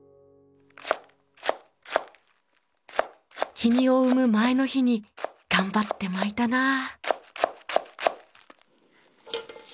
君を産む前の日に頑張って巻いたなあ。